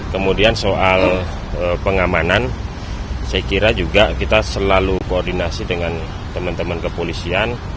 kemudian soal pengamanan saya kira juga kita selalu koordinasi dengan teman teman kepolisian